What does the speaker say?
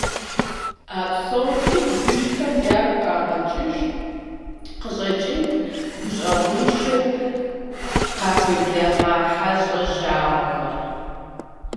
А псомкӀи бгыжьхэм ягу къагъэкӀыж къыщӀэкӀынт гущӀэгъуншэу къахуеблэгъа хьэщӀэ жагъуэхэр.